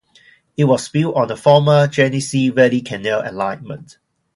It was built on the former Genesee Valley Canal alignment.